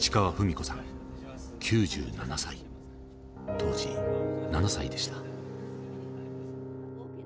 当時７歳でした。